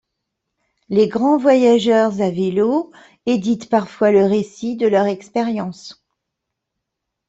Les grands voyageurs à vélo éditent parfois le récit de leur expérience.